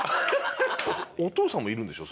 お父さんもいるんでしょ？